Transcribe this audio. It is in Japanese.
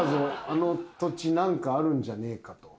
あの土地何かあるんじゃねえかと。